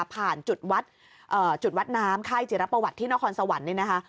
ผ่านจุดวัดเอ่อจุดวัดน้ำค่ายจิรปวัตรที่นครสวรรค์นี้นะคะ